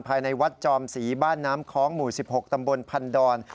ภายในวัดจอมศรีบ้านน้ำคล้องหมู่๑๖ตำบลพันดอน